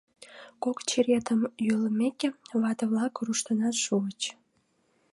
Кок черетым йӱлымеке, вате-влак руштынат шуыч.